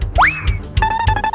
kamu kemana angga